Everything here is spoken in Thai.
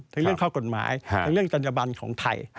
เรื่องข้อกฎหมายทั้งเรื่องจัญญบันของไทย